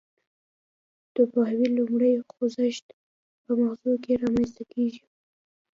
د پوهاوي لومړی خوځښت په مغزو کې رامنځته کیږي